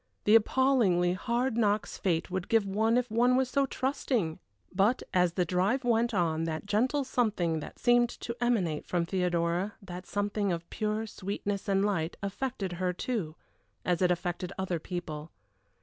The appallingly hard knocks fate would give one if one was so trusting! But as the drive went on that gentle something that seemed to emanate from Theodora, the something of pure sweetness and light, affected her, too, as it affected other people.